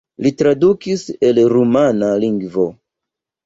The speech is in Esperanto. Li tradukis el rumana lingvo.